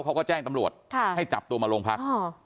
เขาก็แจ้งตำรวจให้จับตัวมาโรงพัก